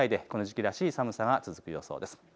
この時期らしい寒さが続く予想です。